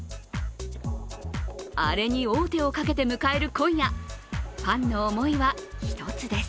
アレに王手をかけて迎える今夜、ファンの思いは一つです。